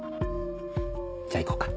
じゃあ行こうか。